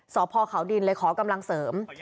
สพเขาดินเลยขอกำลังเสริม